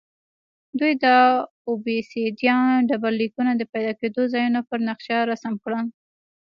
دوی د اوبسیدیان ډبرلیکونو د پیدا کېدو ځایونه پر نقشه رسم کړل